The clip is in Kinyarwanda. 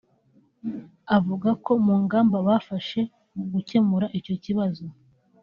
avuga ko mu ngamba bafashe mu gukemura icyo kibazo